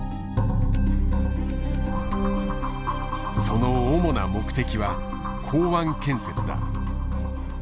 その主な目的は港湾建設だ。